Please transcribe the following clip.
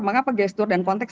mengapa gestur dan konteks